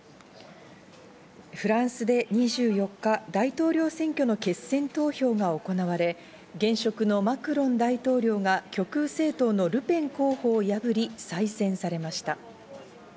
フランスで２４日、大統領選挙の決選投票が行われ、現職のマクロン大統領が極右政党のルペン候補を破り、再選されました。